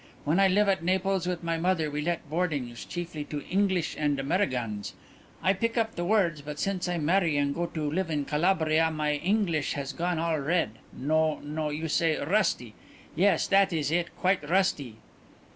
When I live at Naples with my mother we let boardings, chiefly to Inglish and Amerigans. I pick up the words, but since I marry and go to live in Calabria my Inglish has gone all red no, no, you say, rusty. Yes, that is it; quite rusty."